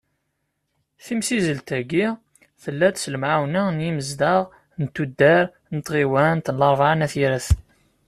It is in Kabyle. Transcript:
Timsizzelt-agi, tella-d s lemɛawna n yimezdaɣ n tuddar n tɣiwant n Larebɛa n At Yiraten.